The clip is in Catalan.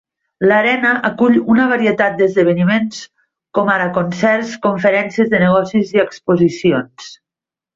L'arena acull una varietat d'esdeveniments como ara concerts, conferències de negocis i exposicions.